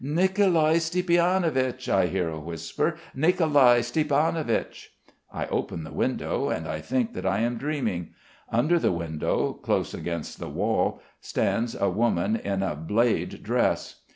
"Nicolai Stiepanovich!" I hear a whisper. "Nicolai Stiepanovich!" I open the window, and I think that I am dreaming. Under the window, close against the wall stands a woman in a blade dress.